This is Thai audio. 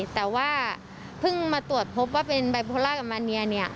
แต่ว่าเพิ่งมาตรวจพบว่าเป็นบายโพล่ากับมาเนีย